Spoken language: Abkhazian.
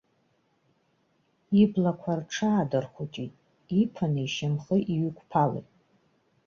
Иблақәа рҽаадырхәыҷит, иԥаны ишьымхы иҩықәԥалеит.